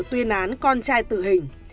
tuyên án con trai tử hình